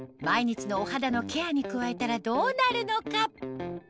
毎日のお肌のケアに加えたらどうなるのか？